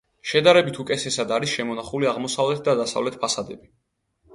შედარებით უკეთესად არის შემონახული აღმოსავლეთ და დასავლეთ ფასადები.